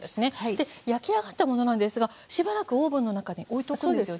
で焼き上がったものなんですがしばらくオーブンの中に置いておくんですね。